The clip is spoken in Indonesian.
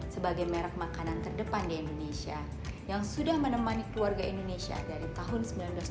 sebagai merek makanan terdepan di indonesia yang sudah menemani keluarga indonesia dari tahun seribu sembilan ratus sembilan puluh